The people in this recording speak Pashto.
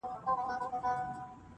شنه ټگي وه که ځنگل که یې کیسې وې -